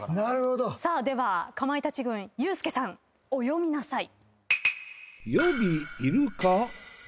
さあではかまいたち軍ユースケさんお詠みなさい。